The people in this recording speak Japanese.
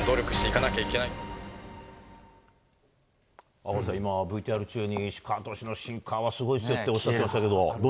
赤星さん、ＶＴＲ中に石川選手のシンカーがすごいっておっしゃっていましたけど。